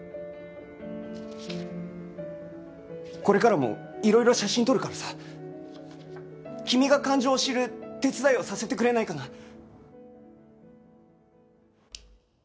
これからもいろいろ写真撮るからさ君が感情を知る手伝いをさせてくれないかな？